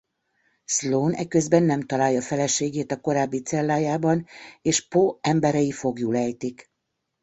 Sloane eközben nem találja feleségét a korábbi cellájában és Po emberei foglyul ejtik.